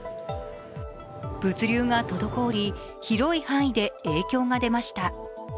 物流が滞り、広い範囲で影響が出ました。